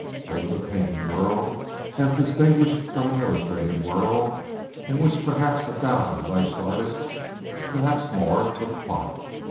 There was a painting world, as distinguished from an illustrating world, in which perhaps a thousand alleged artists, perhaps more, took part.